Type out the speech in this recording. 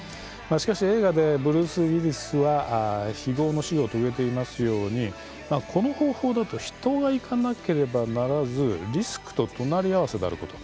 しかし、映画でブルース・ウィリスは非業の死を遂げていますようにこの方法だと人が行かなければならずリスクと隣り合わせであること。